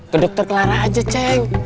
ke dokter clara aja ceng